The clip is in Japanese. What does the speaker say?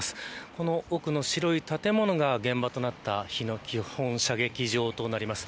この奥の白い建物が現場となった日野基本射撃場となります。